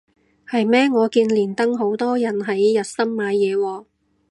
係咩我見連登好多人係日森買嘢喎